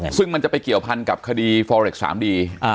เงินซึ่งมันจะไปเกี่ยวพันกับคดีฟอเร็กซ์สามดีอ่า